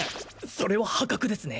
それは破格ですね